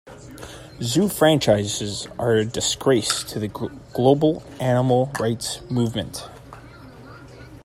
Zoos franchises are a disgrace to the global animal rights movement.